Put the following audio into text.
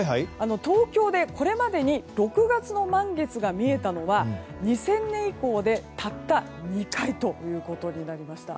東京でこれまでに６月の満月が見えたのは２０００年以降でたった２回ということになりました。